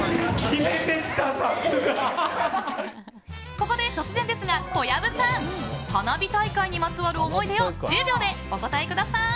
ここで突然ですが、小籔さん花火大会にまつわる思い出を１０秒でお答えください。